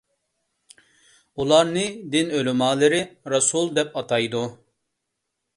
ئۇلارنى دىن ئۆلىمالىرى رەسۇل دەپ ئاتايدۇ.